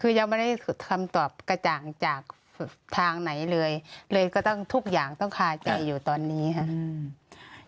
คือยังไม่ได้คำตอบกระจ่างจากทางไหนเลยเลยก็ต้องทุกอย่างต้องคาใจอยู่ตอนนี้ค่ะ